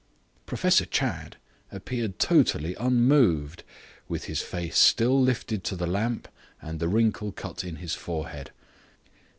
Professor Chadd appeared totally unmoved, with his face still lifted to the lamp and the wrinkle cut in his forehead.